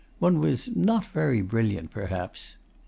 One was not very brilliant perhaps.